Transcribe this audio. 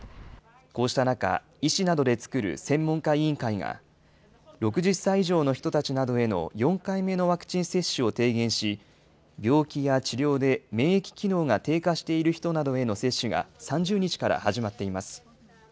こうした中、医師などで作る専門家委員会が、６０歳以上の人たちなどへの４回目のワクチン接種を提言し、病気や治療で免疫機能が低下している人などへの接種が３０日から始まっています。